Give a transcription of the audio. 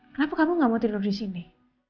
kenapa kamu gak mau tidur di sini